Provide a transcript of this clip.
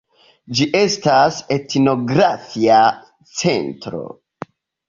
Ĝi estas etnografia centro.